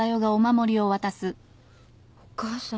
お母さん。